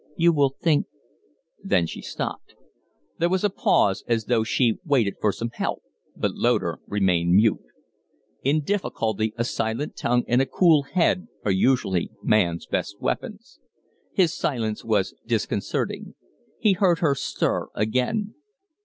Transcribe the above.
"You will think " Then she stopped. There was a pause, as though she waited for some help, but Loder remained mute. In difficulty a silent tongue and a cool head are usually man's best weapons. His silence was disconcerting. He heard her stir again.